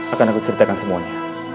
akan aku ceritakan semuanya